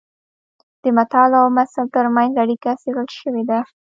د متل او مثل ترمنځ اړیکه څېړل شوې ده